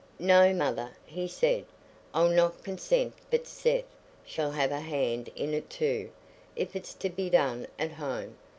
"No, Mother," he said, "I'll not consent but Seth shall have a hand in it too, if it's to be done at home.